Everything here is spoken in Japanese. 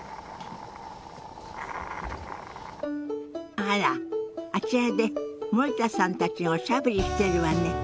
あらあちらで森田さんたちがおしゃべりしてるわね。